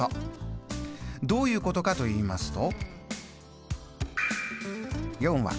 どういうことかといいますと。